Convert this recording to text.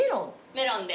メロンで。